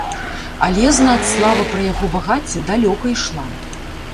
Але, знаць, слава пра яго багацце далёка ішла.